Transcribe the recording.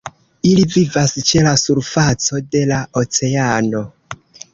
Ili vivas ĉe la surfaco de la oceano.